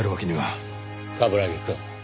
冠城くん。